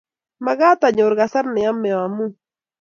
Magat anyor kasar neyomey amuny